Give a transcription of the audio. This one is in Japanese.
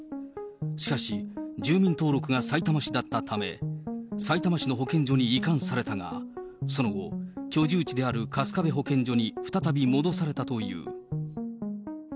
しかし、住民登録がさいたま市だったため、さいたま市の保健所に移管されたが、その後、居住地である春日部保健所に再び戻されたという。